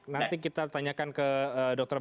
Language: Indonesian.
nanti kita tanyakan ke dr brian t p sekarang